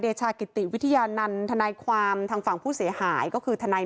ชากิติวิทยานันต์ทนายความทางฝั่งผู้เสียหายก็คือทนาย